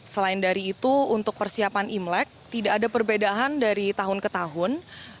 selain dari itu untuk persiapan imlek tidak ada perbedaan dari tahun ke tahun